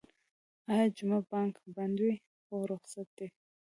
ایا جمعه بانک بند وی؟ هو، رخصت ده